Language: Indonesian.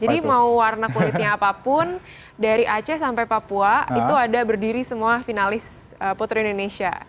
jadi mau warna kulitnya apapun dari aceh sampai papua itu ada berdiri semua finalis putri indonesia